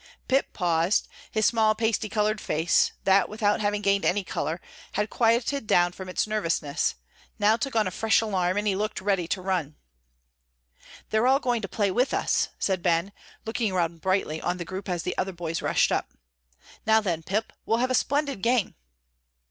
Pip paused, his small pasty colored face, that without having gained any color had quieted down from its nervousness, now took on a fresh alarm, and he looked ready to run. "They're all going to play with us," said Ben, looking around brightly on the group as the other boys rushed up. "Now, then, Pip, we'll have a splendid game!"